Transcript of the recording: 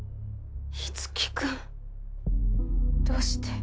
樹君どうして？